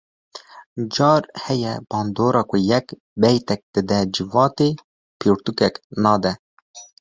Car heye bandora ku yek beytek dide civatê pitûkek nade